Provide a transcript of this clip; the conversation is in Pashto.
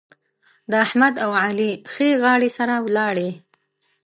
د احمد او علي ښې غاړې سره ولاړې.